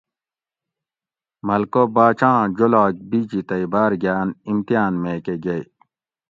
ملکہ باچاۤں جولاگ بِجی تئی باۤر گھان امتحان میکہ گیئے